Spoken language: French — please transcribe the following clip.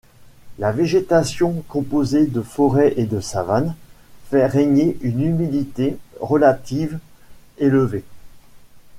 La végétation, composée de forêts et de savanes, fait régner une humidité relative élevée.